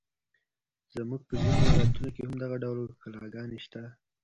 زموږ په ځینو ولایتونو کې هم دغه ډول کلاګانې شته.